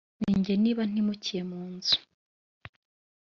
njye niba ntimukiye mu nzu